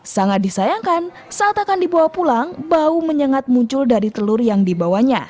sangat disayangkan saat akan dibawa pulang bau menyengat muncul dari telur yang dibawanya